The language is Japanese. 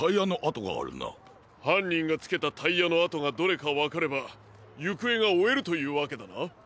はんにんがつけたタイヤのあとがどれかわかればゆくえがおえるというわけだな。